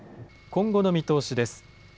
今後の見通しです。